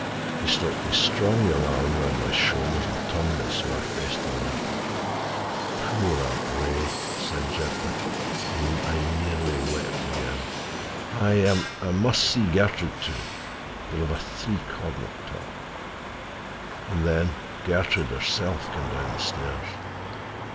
He slipped his strong young arm around my shoulders and turned me so I faced the light. "Poor Aunt Ray!" he said gently. And I nearly wept again. "I—I must see Gertrude, too; we will have a three cornered talk." And then Gertrude herself came down the stairs.